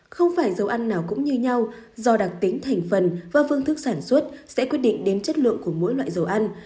không phải dầu ăn nào cũng như nhau do đặc tính thành phần và phương thức sản xuất sẽ quyết định đến chất lượng của mỗi loại dầu ăn